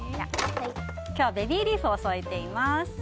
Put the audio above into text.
今日はベビーリーフを添えています。